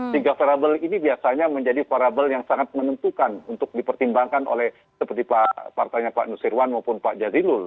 tiga parabel ini biasanya menjadi parabel yang sangat menentukan untuk dipertimbangkan oleh seperti pak nusirwan maupun pak jazilul